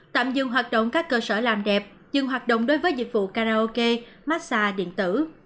tạm dừng hoạt động các cơ sở làm đẹp dừng hoạt động đối với dịch vụ karaoke massage điện tử